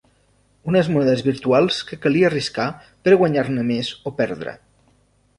Unes monedes virtuals que calia arriscar per a guanyar-ne més o perdre.